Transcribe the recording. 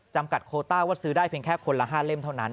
จำกัดโคต้าว่าซื้อได้เพียงแค่คนละ๕เล่มเท่านั้น